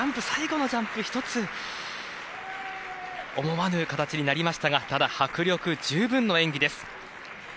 最後のジャンプ１つ思わぬ形になりましたがただ迫力十分の演技です。